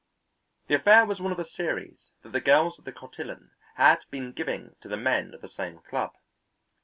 The affair was one of a series that the girls of the Cotillon had been giving to the men of the same club.